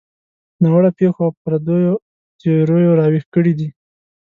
ناوړه پېښو او پردیو تیریو راویښ کړي دي.